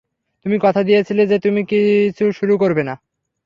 তুমি কথা দিয়েছিলে যে তুমি কিছু শুরু করবে না।